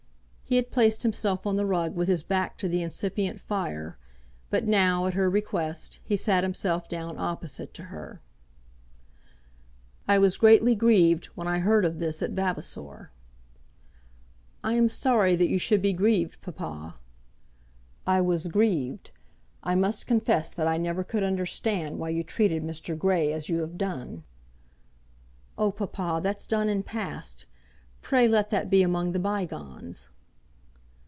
He had placed himself on the rug with his back to the incipient fire, but now, at her request, he sat himself down opposite to her. "I was greatly grieved when I heard of this at Vavasor." "I am sorry that you should be grieved, papa." "I was grieved. I must confess that I never could understand why you treated Mr. Grey as you have done." "Oh, papa, that's done and past. Pray let that be among the bygones."